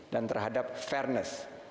dan terhadap fairness